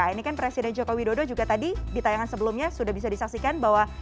ini kan presiden joko widodo juga tadi di tayangan sebelumnya sudah bisa disaksikan bahwa